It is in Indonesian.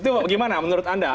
itu gimana menurut anda